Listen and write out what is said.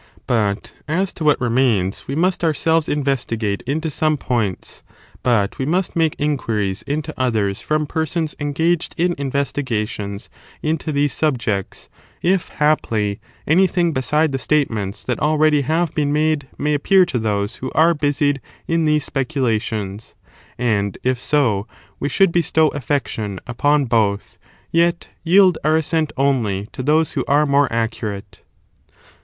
But as to what remains we must ourselves investigate into some points, but we must make inquiries into others from persons engaged in investigations into these subjects; if, haply, anything beside the statements that already have been made may appear to those who are busied in these speculations : and if so, we should bestow affection upon both,* yet yield our assent only to those who are more accurate.